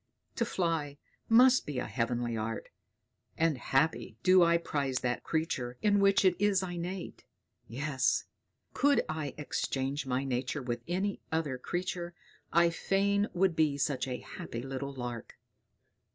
To fly must be a heavenly art; and happy do I prize that creature in which it is innate. Yes! Could I exchange my nature with any other creature, I fain would be such a happy little lark!"